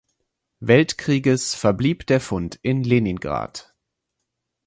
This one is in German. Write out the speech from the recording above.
Weltkrieges verblieb der Fund in Leningrad.